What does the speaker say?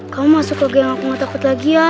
kamu masuk ke geng aku nggak takut lagi ya